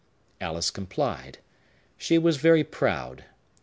Alice complied, She was very proud.